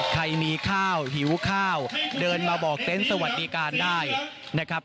ใครมีข้าวหิวข้าวเดินมาบอกเต็นต์สวัสดิการได้นะครับ